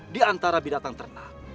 di antara bidatang ternak